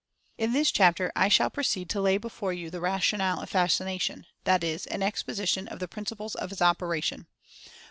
In this chapter I shall proceed to lay before you the "rationale" of Fascination, that is, an exposition of the principles of its operation.